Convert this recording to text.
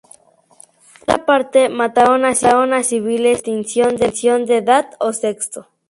Por otra parte, mataron a civiles sin distinción de edad o sexo.